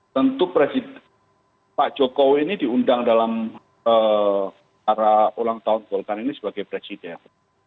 tentu presiden pak jokowi ini diundang dalam cara ulang tahun golkar ini sebagai presiden